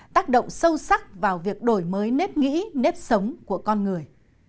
tác động sâu sắc vào việc đổi mới nếp nghĩ nếp sống của con người